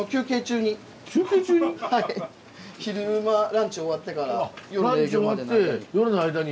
昼間ランチ終わってから夜の営業までの間に。